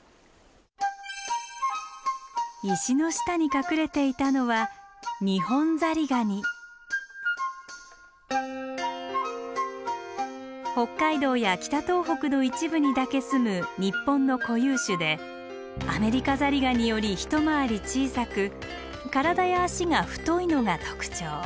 石の下に隠れていたのは北海道や北東北の一部にだけすむ日本の固有種でアメリカザリガニより一回り小さく体や脚が太いのが特徴。